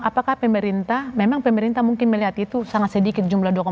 apakah pemerintah memang pemerintah mungkin melihat itu sangat sedikit jumlah dua